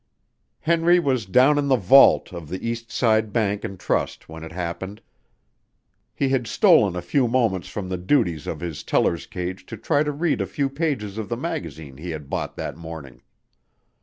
Henry was down in the vault of the Eastside Bank & Trust when it happened. He had stolen a few moments from the duties of his teller's cage to try to read a few pages of the magazine he had bought that morning.